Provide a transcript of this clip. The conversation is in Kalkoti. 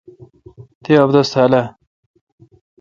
تی ابدس تھال اہ؟